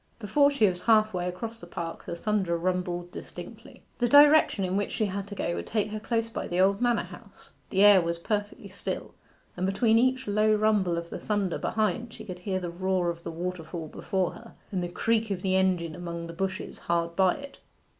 Before she was half way across the park the thunder rumbled distinctly. The direction in which she had to go would take her close by the old manor house. The air was perfectly still, and between each low rumble of the thunder behind she could hear the roar of the waterfall before her, and the creak of the engine among the bushes hard by it.